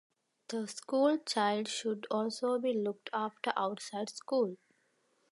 The (school) child should also be looked after outside school.